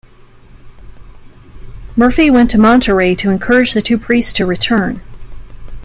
Murphy went to Monterrey to encourage the two priests to return.